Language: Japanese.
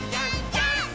ジャンプ！！